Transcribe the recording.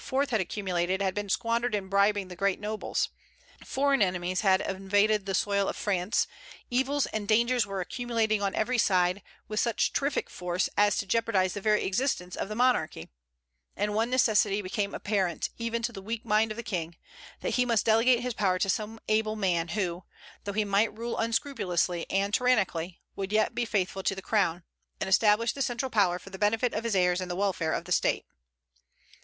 had accumulated had been squandered in bribing the great nobles; foreign enemies had invaded the soil of France; evils and dangers were accumulating on every side, with such terrific force as to jeopardize the very existence of the monarchy; and one necessity became apparent, even to the weak mind of the King, that he must delegate his power to some able man, who, though he might rule unscrupulously and tyrannically, would yet be faithful to the crown, and establish the central power for the benefit of his heirs and the welfare of the state.